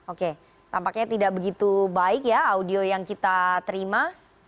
oke tampaknya tidak begitu baik ya audio yang kita terima